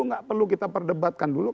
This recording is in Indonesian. nggak perlu kita perdebatkan dulu